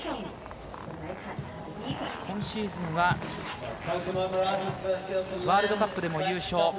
今シーズンはワールドカップでも優勝。